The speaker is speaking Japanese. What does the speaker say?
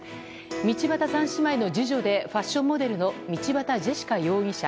道端三姉妹の次女でファッションモデルの道端ジェシカ容疑者。